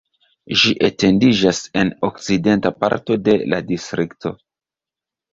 Ĝi etendiĝas en okcidenta parto de la distrikto.